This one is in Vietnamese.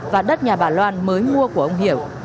và đất nhà bà loan mới mua của ông hiểu